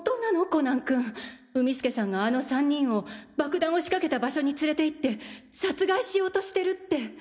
コナン君海輔さんがあの３人を爆弾を仕掛けた場所に連れて行って殺害しようとしてるって。